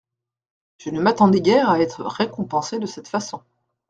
Je ne m'attendais guère à être récompensé de cette façon.